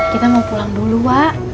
kita mau pulang dulu pak